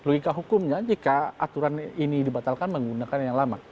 logika hukumnya jika aturan ini dibatalkan menggunakan yang lama